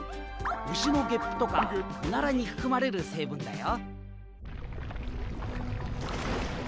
牛のゲップとかオナラに含まれる成分だよ。